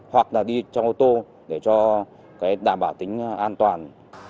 hoặc là đi từ hai người trở lên